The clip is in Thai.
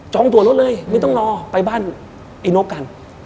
จองตัวรถเลย